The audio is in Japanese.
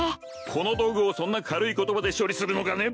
この道具をそんな軽い言葉で処理するのかね